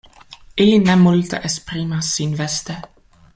Ili ne multe esprimas sin veste.